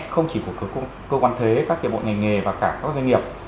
không chỉ của cơ quan thuế các kế bộ nghề nghề và cả các doanh nghiệp